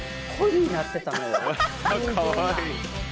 かわいい！